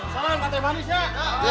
salam matrimonis ya